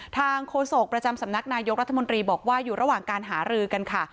โฆษกประจำสำนักนายกรัฐมนตรีบอกว่าอยู่ระหว่างการหารือกันค่ะ